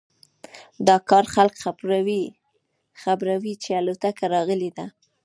دا کار خلک خبروي چې الوتکه راغلی ده